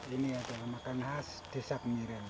ini adalah makanan khas desa kemiren